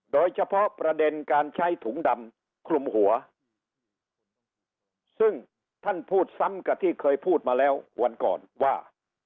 โดยเฉพาะประเด็นการใช้ถุงดำคลุมหัวซึ่งท่านพูดซ้ำกับที่เคยพูดมาแล้ววันก่อนว่า